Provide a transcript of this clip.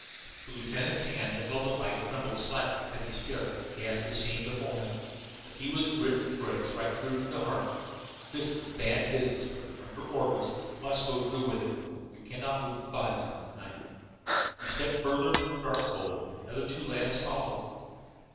The lieutenant's hand that held the light trembled slightly as he stared at the ghastly scene before him, but he was grit and courage right through to the heart. "This is bad business," he said, "but we are under orders and we must go through with it. We cannot move the bodies out to night." He stepped further into the dark hole, and the other two lads followed.